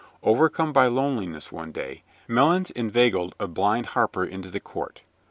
Overcome by loneliness one day, Melons inveigled a blind harper into the court.